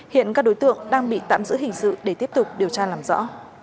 hiện các đối tượng đang bị tạm giữ hình sự để tiếp tục điều tra làm rõ